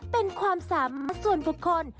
เป็นความสามารถส่วนบุคคล